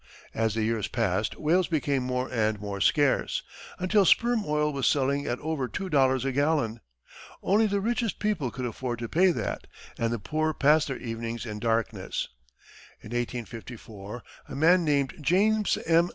As the years passed, whales became more and more scarce, until sperm oil was selling at over two dollars a gallon. Only the richest people could afford to pay that, and the poor passed their evenings in darkness. In 1854, a man named James M.